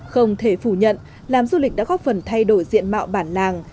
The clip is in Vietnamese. không thể phủ nhận làm du lịch đã góp phần thay đổi diện mạo bản làng